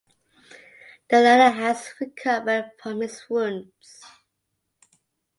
The latter has recovered from his wounds.